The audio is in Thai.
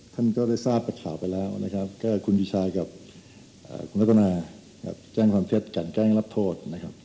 ท่านก็ได้ทราบข่าวไปแล้วคุณดิฉัยกับคุณละกนะแจ้งความเพศกันแก้งรับโทษ